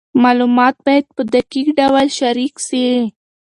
معلومات باید په دقیق ډول شریک سي.